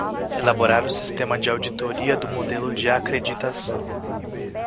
Elaborar o sistema de auditoria do modelo de acreditação.